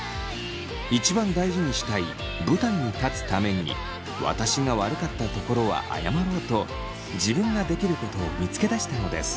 一番大事にしたい舞台に立つために私が悪かったところは謝ろうと自分ができることを見つけ出したのです。